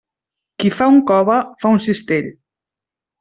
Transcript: Qui fa un cove, fa un cistell.